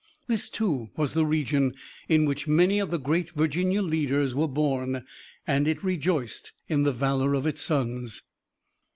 This too was the region in which many of the great Virginia leaders were born, and it rejoiced in the valor of its sons.